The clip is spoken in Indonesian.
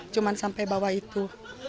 cuma sampai bawah itu